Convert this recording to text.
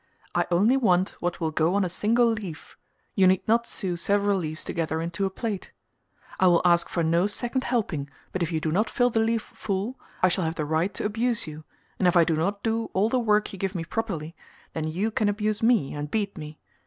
I only want what will go on a single leaf, you need not sew several leaves together into a plate. I will ask for no second helping but if you do not fill the leaf full I shall have the right to abuse you, and if I do not do all the work you give me properly, then you can abuse me and beat me.